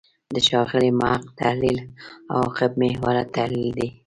د ښاغلي محق تحلیل «عواقب محوره» تحلیل دی.